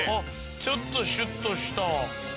「ちょっとシュッとした」